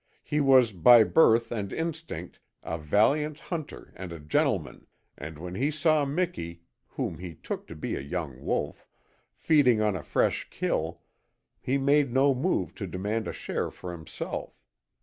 He was by birth and instinct a valiant hunter and a gentleman, and when he saw Miki (whom he took to be a young wolf) feeding on a fresh kill, he made no move to demand a share for himself.